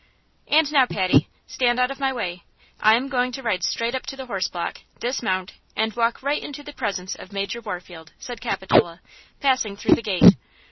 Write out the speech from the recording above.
"And now, Patty, stand out of my way. I am going to ride straight up to the horse block, dismount and walk right into the presence of Major Warfield," said Capitola, passing through the gate.